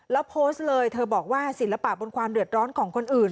แล้วโพสต์เลยเธอบอกว่าศิลปะบนความเดือดร้อนของคนอื่น